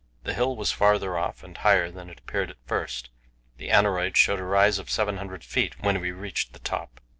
The hill was farther off and higher than it appeared at first; the aneroid showed a rise of 700 feet when we reached the top.